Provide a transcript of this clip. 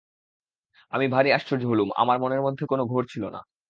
আমি ভারি আশ্চর্য হলুম আমার মনের মধ্যে কোনো ঘোর ছিল না।